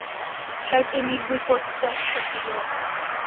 Rhaid i mi wybod beth ydy o.